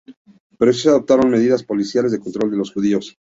Pero sí se adoptaron medidas policiales de control de los judíos.